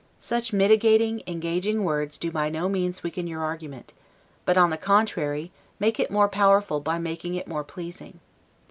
Such mitigating, engaging words do by no means weaken your argument; but, on the contrary, make it more powerful by making it more pleasing.